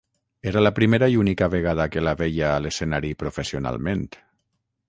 Era la primera i única vegada que la veia a l'escenari professionalment.